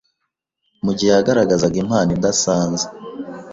mu gihe yagaragazaga impano idasanzwe